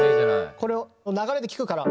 これを流れで聴くから。